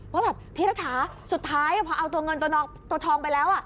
ว่าแบบพี่รัฐาสุดท้ายพอเอาตัวเงินตัวทองไปแล้ว